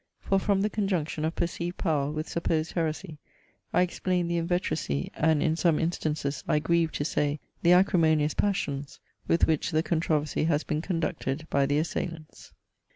For from the conjunction of perceived power with supposed heresy I explain the inveteracy and in some instances, I grieve to say, the acrimonious passions, with which the controversy has been conducted by the assailants.